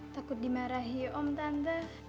takut dimarahi om tante